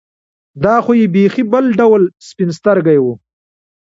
دا خو یې بېخي بل ډول سپین سترګي وه.